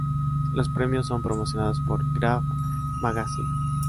Los premios son promocionados por "Grab Magazine".